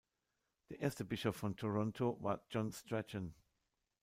Der erste Bischof von Toronto war John Strachan.